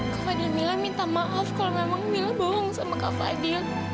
kak fadil mila minta maaf kalau memang mila bohong sama kak fadil